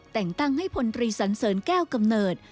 แต่งตั้งให้พศแก้วกำเนิด